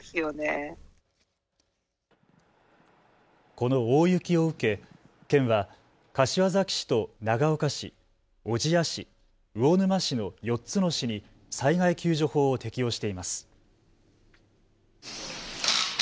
この大雪を受け県は柏崎市と長岡市、小千谷市、魚沼市の４つの市に災害救助法を適用しています。